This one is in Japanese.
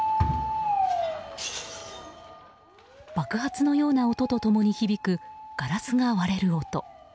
爆発のような音と共に響くガラスが割れる音。